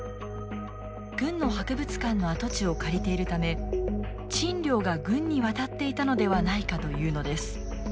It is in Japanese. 軍の博物館の跡地を借りているため賃料が軍に渡っていたのではないかというのです。